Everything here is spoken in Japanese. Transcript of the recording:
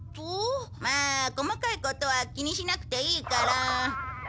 まあ細かいことは気にしなくていいから。